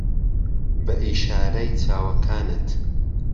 بە ئیشارەی چاوەکانت